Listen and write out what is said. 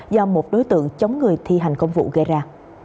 do một đối tượng chống người thi hành công vụ gây ra